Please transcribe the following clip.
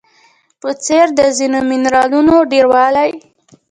په څېر د ځینو منرالونو ډیروالی